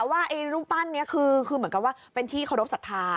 ว่ารูปปั้นนี้คือเหมือนกับว่าเป็นที่เคารพสัทธา